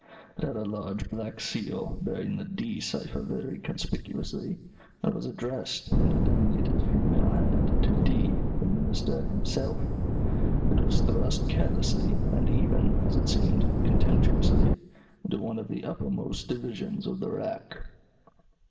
It had a large black seal, bearing the D cipher very conspicuously, and was addressed, in a diminutive female hand, to D " the Minister, himself. It was thrust carelessly, and even, as it seemed, contemptuously, into one of the uppermost divisions of the rack.